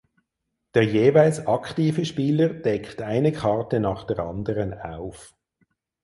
Der jeweils aktive Spieler deckt eine Karte nach der anderen auf.